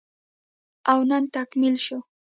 او نن تکميل شو